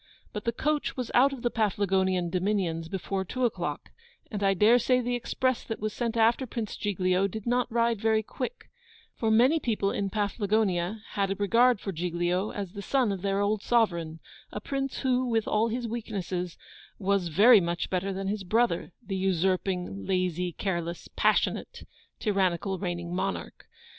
But the coach was out of the Paflagonian dominions before two o'clock; and I dare say the express that was sent after Prince Giglio did not ride very quick, for many people in Paflagonia had a regard for Giglio, as the son of their old sovereign; a Prince who, with all his weaknesses, was very much better than his brother, the usurping, lazy, careless, passionate, tyrannical, reigning monarch.